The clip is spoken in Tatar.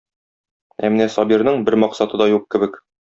Ә менә Сабирның бер максаты да юк кебек.